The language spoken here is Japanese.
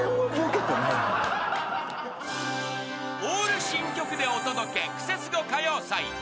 ［オール新曲でお届けクセスゴ歌謡祭］